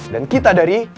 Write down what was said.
dan kita dari